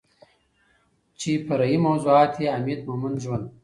چې فرعي موضوعات يې حميد مومند ژوند